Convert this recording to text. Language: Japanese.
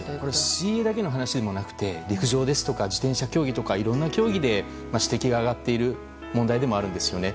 水泳だけの話でもなくて陸上ですとか、いろんな競技で指摘が上がっている問題でもあるんですよね。